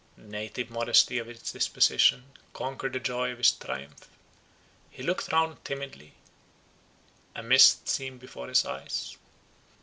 The native modesty of his disposition conquered the joy of his triumph. He looked round timidly; a mist seemed before his eyes.